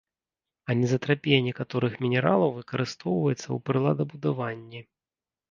Анізатрапія некаторых мінералаў выкарыстоўваецца ў прыладабудаванні.